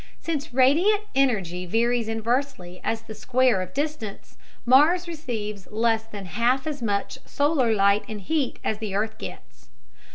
Since radiant energy varies inversely as the square of distance, Mars receives less than half as much solar light and heat as the earth gets.